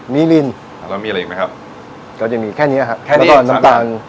มีลินอ่าแล้วมีอะไรอีกไหมครับก็จะมีแค่เนี้ยฮะแค่แล้วก็น้ำตาล